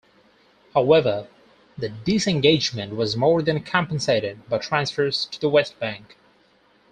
However, the disengagement was more than compensated by transfers to the West Bank.